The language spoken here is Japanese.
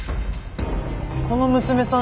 この娘さん